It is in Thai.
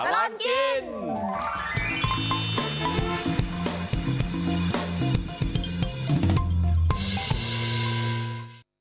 น้ำลายแจกรวดเลย